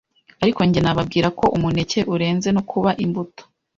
ariko jye nababwira ko umuneke urenze no kuba imbuto,